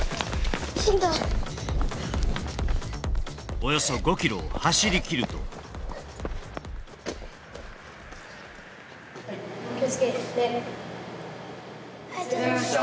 およそ５ｋｍを走りきると気をつけ礼ありがとうございました